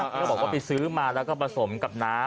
แล้วก็บอกว่าไปซื้อมาแล้วก็ผสมกับน้ำ